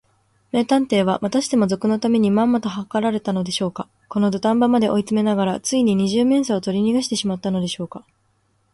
名探偵は、またしても賊のためにまんまとはかられたのでしょうか。このどたん場まで追いつめながら、ついに二十面相をとりにがしてしまったのでしょうか。